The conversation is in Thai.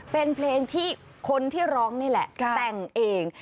เป็นเพลงที่คนที่ร้องนี่แหละแต่งเอง